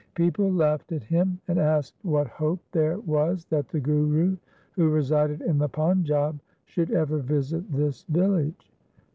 People laughed at him, and asked what hope there was that the Guru, who resided in the Panjab, should ever visit his village.